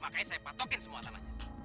makanya saya patokin semua tanah